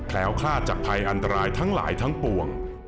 คลาดจากภัยอันตรายทั้งหลายทั้งปวง